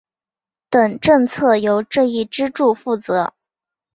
等政策由这一支柱负责。